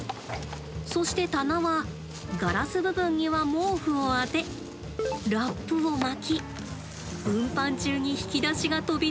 そして棚はガラス部分には毛布をあてラップを巻き運搬中に引き出しが飛び出ないようにして。